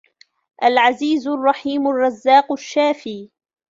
العزيز، الرحيم، الرزاق، الشافي